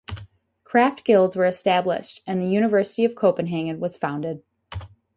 Craft guilds were established and the University of Copenhagen was founded.